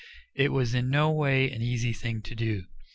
It was in no way an easy thing to do.